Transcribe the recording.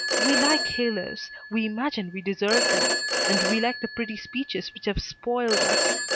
We like halos. We imagine we deserve them. And we like the pretty speeches which have spoiled us.